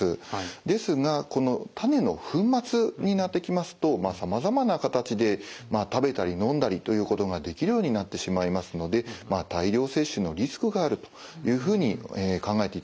ですがこの種の粉末になってきますとさまざまな形で食べたりのんだりということができるようになってしまいますので大量摂取のリスクがあるというふうに考えていただきたいと思います。